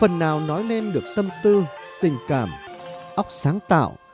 phần nào nói nên được tâm tư tình cảm ốc sáng tạo